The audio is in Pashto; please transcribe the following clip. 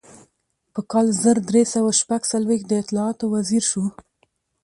په کال زر درې سوه شپږ څلویښت د اطلاعاتو وزیر شو.